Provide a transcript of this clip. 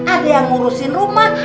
ada yang ngurusin rumah